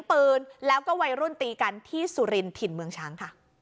เพื่อนก็วัยรุ่นตีกันที่สุรินที่ที่เมืองช้าง